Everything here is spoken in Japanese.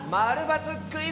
○×クイズ」！